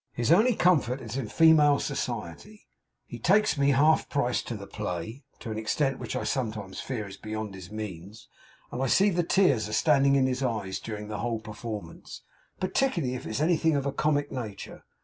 His only comfort is in female society. He takes me half price to the play, to an extent which I sometimes fear is beyond his means; and I see the tears a standing in his eyes during the whole performance particularly if it is anything of a comic nature.